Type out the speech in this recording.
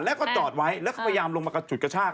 แล้วก็จอดไว้แล้วก็พยายามลงมากระฉุดกระชาก